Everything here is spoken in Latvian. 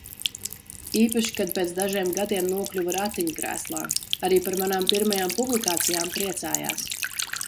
Īpaši, kad pēc dažiem gadiem nokļuva ratiņkrēslā. Arī par manām pirmajām publikācijām priecājās.